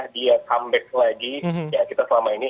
dia comeback lagi ya kita selama ini